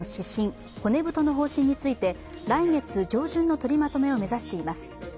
政府は経済財政運営の指針、骨太の方針について、来月上旬の取りまとめを目指しています。